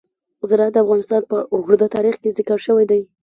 زراعت د افغانستان په اوږده تاریخ کې ذکر شوی دی.